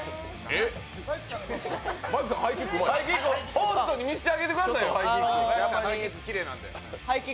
ホーストに見せてやってください。